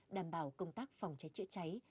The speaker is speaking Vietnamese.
đảm bảo công tác phòng cháy chữa cháy